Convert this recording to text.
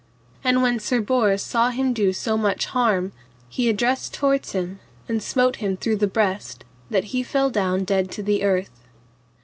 And when Sir Bors saw him do so much harm, he addressed toward him, and smote him through the breast, that he fell down dead to the earth.